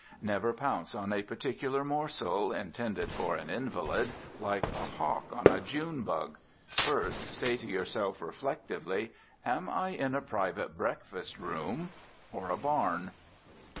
Never pounce on a particular morsel, intended for an invalid, like a hawk on a June bug. First, say to yourself reflectively, "Am I in a private breakfast room or a barn?"